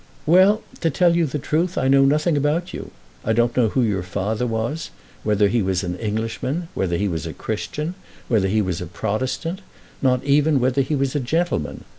"Well, to tell you the truth I know nothing about you. I don't know who your father was, whether he was an Englishman, whether he was a Christian, whether he was a Protestant, not even whether he was a gentleman.